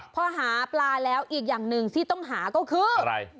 พอหาปลาแล้วอีกอย่างหนึ่งที่ต้องหาก็คืออะไร